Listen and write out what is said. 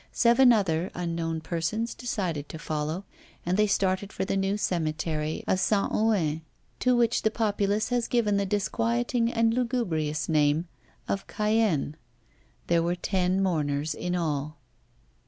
Seven other unknown persons decided to follow, and they started for the new cemetery of St. Ouen, to which the populace has given the disquieting and lugubrious name of Cayenne. There were ten mourners in all.